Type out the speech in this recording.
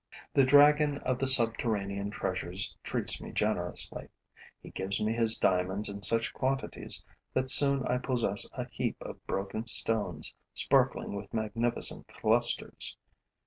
The dragon of the subterranean treasures treats me generously. He gives me his diamonds in such quantities that soon I possess a heap of broken stones sparkling with magnificent clusters.